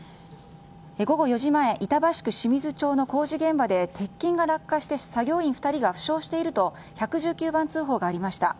午後４時前板橋区清水町の工事現場で鉄筋が落下して、作業員２人が負傷していると１１９番通報がありました。